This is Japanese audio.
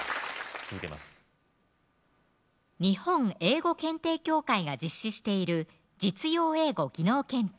続けます日本英語検定協会が実施している実用英語技能検定